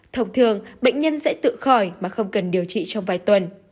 thông thường bệnh nhân sẽ tự khỏi mà không cần điều trị trong vài tuần